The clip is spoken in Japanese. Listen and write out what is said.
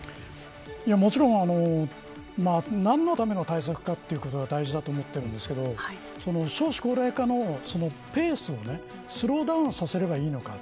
もちろん、何のための対策かということが大事だと思っているんですけど少子高齢化のペースをスローダウンさせればいいのか。